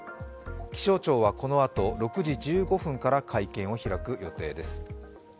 気象庁はこのあと６時１５分から会見を開く予定です。